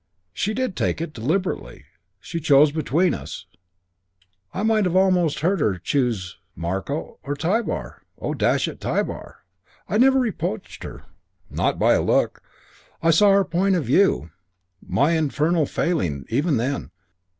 She did take it, deliberately. She chose between us. I might almost have heard her choose 'Marko or Tybar? Oh, dash it Tybar.' I never reproached her, not by a look. I saw her point of view. My infernal failing, even then.